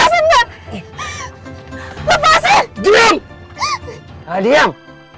siapkan dengan xiao